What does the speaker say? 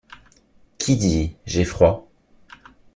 Qui dit: J’ai froid?